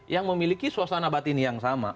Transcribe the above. yang memiliki suasana batin yang sama